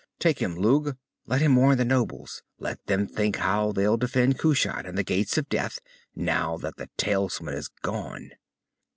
"Take him, Lugh! Let him warn the nobles. Let them think how they'll defend Kushat and the Gates of Death, now that the talisman is gone!"